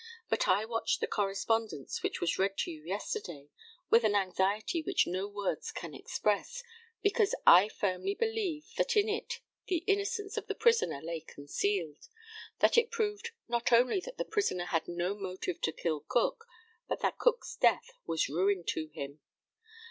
But I watched the correspondence which was read to you yesterday with an anxiety which no words can express, because I firmly believed that in it the innocence of the prisoner lay concealed; that it proved not only that the prisoner had no motive to kill Cook, but that Cook's death was ruin to him.